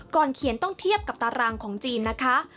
เขียนต้องเทียบกับตารางของจีนนะคะ